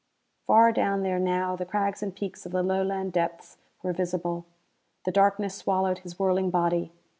Far down there now the crags and peaks of the Lowland depths were visible. The darkness swallowed his whirling body.